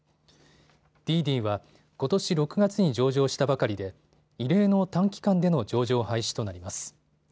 滴滴はことし６月に上場したばかりで異例の短期間での上場廃止となります。